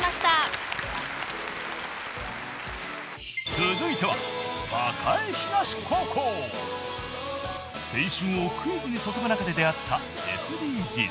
続いては青春をクイズに注ぐ中で出会ったＳＤＧｓ。